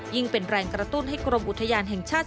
เป็นแรงกระตุ้นให้กรมอุทยานแห่งชาติ